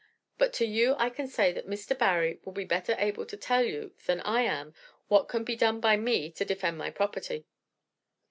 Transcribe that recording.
"But to you I can say that Mr. Barry will be better able to tell you than I am what can be done by me to defend my property."